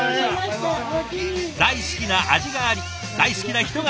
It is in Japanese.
大好きな味があり大好きな人がいる。